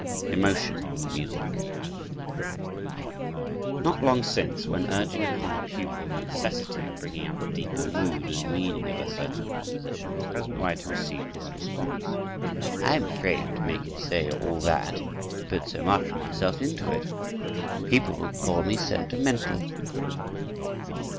Emotion in Music Not long since, when urging upon a pupil the necessity of bringing out the deeper mood and meaning of a certain composition, the present writer received this response: "I am afraid to make it say all that, to put so much of myself into it; people will call me sentimental!"